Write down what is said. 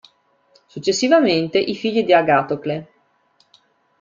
Successivamente i figli di Agatocle.